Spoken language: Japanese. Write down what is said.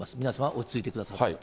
皆様落ち着いてください。